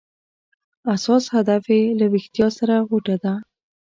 اساس هدف یې له ویښتیا سره غوټه ده.